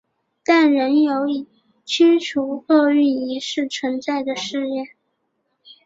但仍有以驱除恶运的仪式存在的寺院。